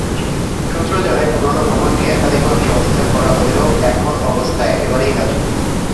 সূত্র জানায়, পুরোনো ভবনটি একাধিকবার সংস্কার করা হলেও এখন অবস্থা একেবারেই নাজুক।